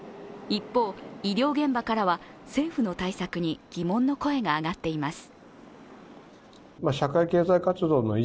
一方、医療現場からは政府の対策に疑問の声が上がっています。